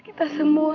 kita insya allah